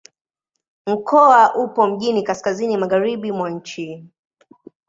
Mkoa upo mjini kaskazini-magharibi mwa nchi.